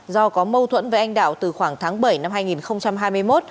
do có mâu thuẫn với anh đạo từ khoảng tháng bảy năm hai nghìn hai mươi một